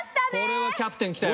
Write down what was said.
これはキャプテンきたよ。